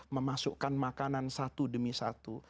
memasukkan makanan satu demi satu